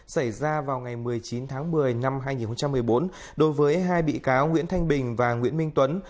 xảy ra vào ngày một mươi chín tháng một mươi năm hai nghìn một mươi bốn đối với hai bị cáo nguyễn thanh bình và nguyễn minh tuấn